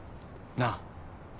なあ。